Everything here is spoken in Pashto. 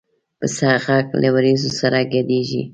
پسه غږ له وریځو سره ګډېږي.